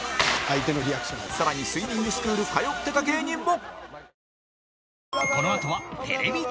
更にスイミングスクール通ってた芸人も